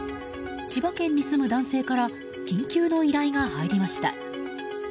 千葉県に住む男性から緊急の依頼が入りました。